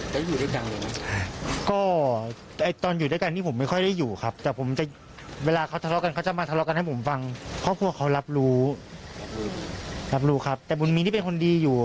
พ่อควรเขารับรู้รับรู้ครับแต่มันมีที่เป็นคนดีอยู่